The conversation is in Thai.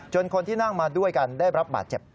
คนที่นั่งมาด้วยกันได้รับบาดเจ็บ